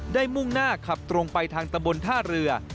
มุ่งหน้าขับตรงไปทางตะบนท่าเรือ